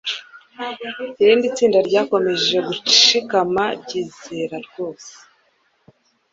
Irindi tsinda ryakomeje gushikama ryizera rwose